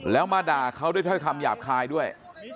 แล้วมาด่าเขาด้วยถ้อยคำหยาบคายด้วย